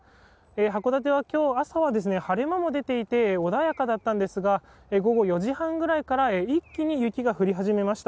函館は今日朝は晴れ間も出ていて穏やかだったんですが午後４時半くらいから一気に雪が降り始めました。